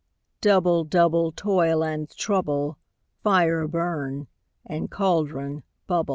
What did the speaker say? ALL. Double, double, toil and trouble; Fire, burn; and cauldron, bubble.